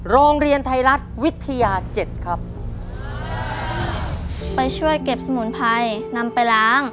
โรงเรียนไทยรัฐวิทยาเจ็ดครับไปช่วยเก็บสมุนไพรนำไปล้าง